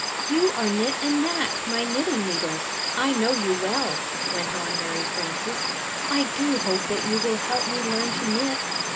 "You are IMt and Knack, my knitting needles. I know you well," went on Mary Frances. "I do hope that you will help me learn to knit."